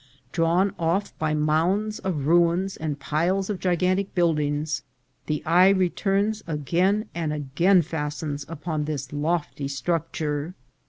Drawn off by mounds of ruins and piles of gigantic buildings, the eye returns and again fastens upon this lofty structure.